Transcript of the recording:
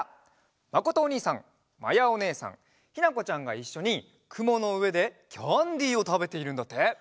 まことおにいさんまやおねえさんひなこちゃんがいっしょにくものうえでキャンディーをたべているんだって。